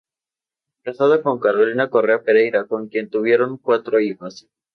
Casado con Carolina Correa Pereira con quien tuvieron cuatro hijos.